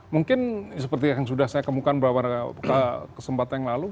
mungkin seperti yang sudah saya kemukan beberapa kesempatan yang lalu